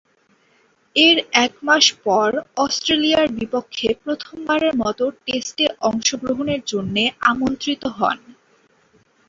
এর একমাস পর অস্ট্রেলিয়ার বিপক্ষে প্রথমবারের মতো টেস্টে অংশগ্রহণের জন্যে আমন্ত্রিত হন।